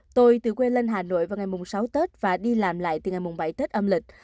tôi từ quê lên hà nội vào ngày sáu tết và đi làm lại từ ngày bảy tết âm lịch